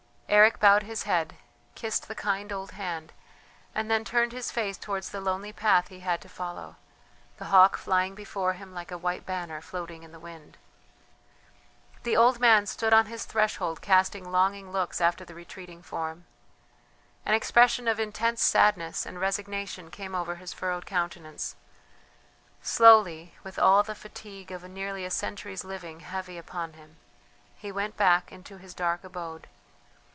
Eric bowed his head, kissed the kind old hand, and then turned his face towards the lonely path he had to follow, the hawk flying before him like a white banner floating in the wind. The old man stood on his threshold casting longing looks after the retreating form. An expression of intense sadness and resignation came over his furrowed countenance; slowly, with all the fatigue of nearly a century's living heavy upon him, he went back into his dark abode.